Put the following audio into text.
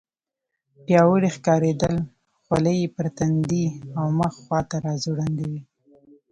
پیاوړي ښکارېدل، خولۍ یې پر تندي او مخ خواته راځوړندې وې.